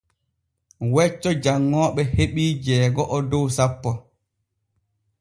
Wecco janŋooɓe heɓii jeego’o dow sappo.